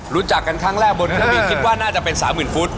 รู้จักกันครั้งแรกบนเครื่องบินคิดว่าน่าจะเป็น๓๐๐๐ฟุต